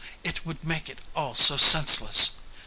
It would make it all so senseless!"